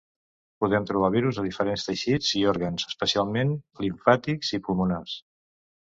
Podem trobar virus a diferents teixits i òrgans, especialment limfàtics i pulmonars.